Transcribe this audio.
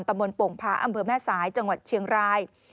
บนโป่งพาอำเภอแม่สายจังหวัดเชียงราย